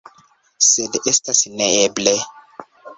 Sed estas neeble.